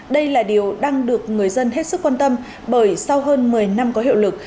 đây là điều đang được người dân hết sức quan tâm bởi sau hơn một mươi năm có hiệu lực